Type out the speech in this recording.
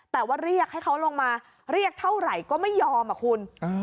แต่ว่าเรียกให้เขาลงมาเรียกเท่าไหร่ก็ไม่ยอมอ่ะคุณ